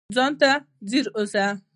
ځان ته ځیر اوسه